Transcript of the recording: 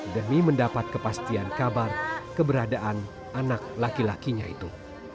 demi mendapat kepastian kabar keberadaan anak laki lakinya itu